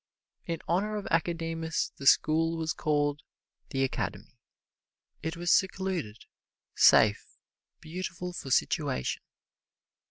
In honor of Academus the school was called "The Academy." It was secluded, safe, beautiful for situation.